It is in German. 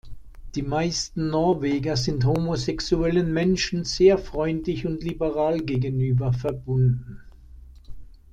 Die meisten Norweger sind homosexuellen Menschen sehr freundlich und liberal gegenüber verbunden.